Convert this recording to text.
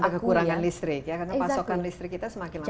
kita sampai kekurangan listrik ya karena pasokan listrik kita semakin lama juga